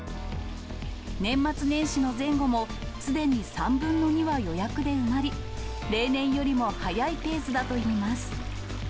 年末年始の前後も、すでに３分の２は予約で埋まり、例年よりも早いペースだといいます。